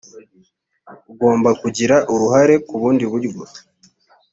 ugomba kugira uruhare ku bundi buryo